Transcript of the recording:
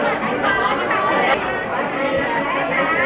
สวัสดีครับสวัสดีครับ